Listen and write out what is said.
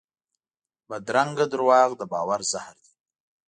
بدرنګه دروغ د باور زهر دي